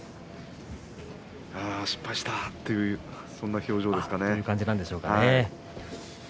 ああ失敗したというそんな表情でしょうか。